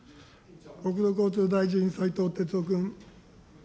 国土交通大臣、斉藤鉄夫君。